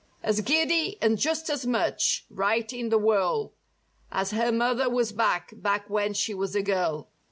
As giddy, and just as much, right in the whirl As her mother was back, back when she was a girl.